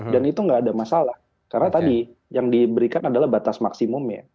dan itu nggak ada masalah karena tadi yang diberikan adalah batas maksimumnya